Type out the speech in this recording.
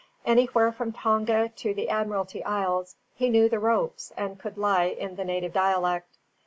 Anywhere from Tonga to the Admiralty Isles, he knew the ropes and could lie in the native dialect.